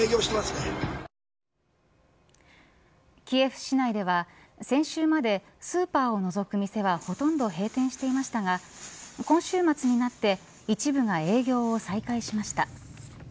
キエフ市内では先週までスーパーを除く店はほとんど閉店していましたが今週末になって一部が営業を再開しました。